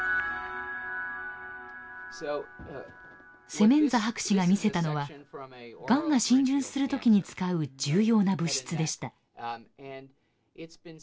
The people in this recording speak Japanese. セメンザ博士が見せたのはがんが浸潤する時に使う重要な物質でした。